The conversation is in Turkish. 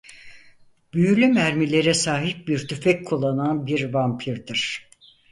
Büyülü mermilere sahip bir tüfek kullanan bir vampirdir.